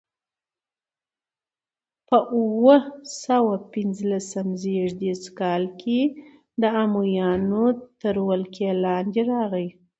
په اووه سوه پنځلسم زېږدیز کال د امویانو تر ولکې لاندې راغي.